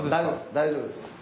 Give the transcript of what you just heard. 大丈夫です。